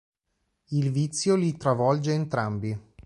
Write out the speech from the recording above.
Il vizio li travolge entrambi.